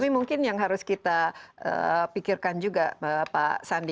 tapi mungkin yang harus kita pikirkan juga pak sandi